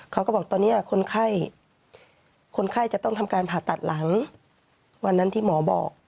เขาก็บอกตอนนี้คนไข้คนไข้จะต้องทำการผ่าตัดหลังวันนั้นที่หมอบอก